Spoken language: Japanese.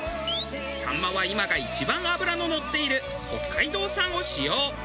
サンマは今が一番脂ののっている北海道産を使用。